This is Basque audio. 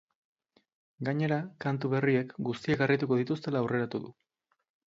Gainera, kantu berriek guztiak harrituko dituztela aurreratu du.